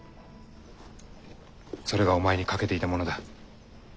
それがお前に欠けていたものだ。